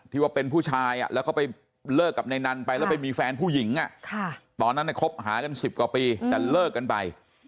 ว่าเป็นผู้ชายแล้วก็ไปเลิกกับนายนันไปแล้วไปมีแฟนผู้หญิงตอนนั้นคบหากัน๑๐กว่าปีแต่เลิกกันไป